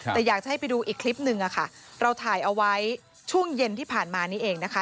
แต่อยากจะให้ไปดูอีกคลิปหนึ่งค่ะเราถ่ายเอาไว้ช่วงเย็นที่ผ่านมานี้เองนะคะ